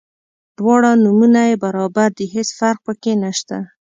دواړه نومونه یې برابر دي هیڅ فرق په کې نشته.